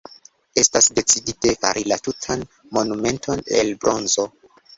Estas decidite fari la tutan monumenton el bronzo.